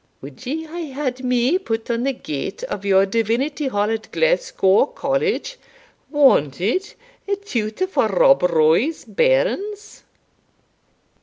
wad ye hae had me put on the gate o' your Divinity Hall at Glasgow College, 'Wanted, a tutor for Rob Roy's bairns?'"